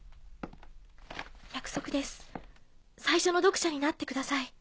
約束です最初の読者になってください。